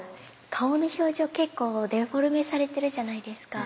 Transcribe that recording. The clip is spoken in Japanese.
顔の表情結構デフォルメされてるじゃないですか。